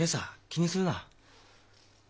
気にするな。